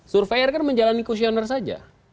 survei er kan menjalani kusyoner saja